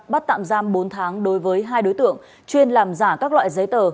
bắt tạm giam bốn tháng đối với hai đối tượng chuyên làm giả các loại giấy tờ